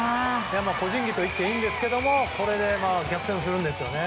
個人技といっていいんですがこれで逆転するんですね。